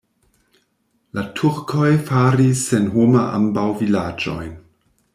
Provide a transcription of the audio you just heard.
La turkoj faris senhoma ambaŭ vilaĝojn.